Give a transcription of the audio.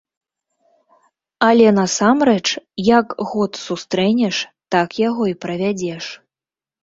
Але, насамрэч, як год сустрэнеш, так яго і правядзеш.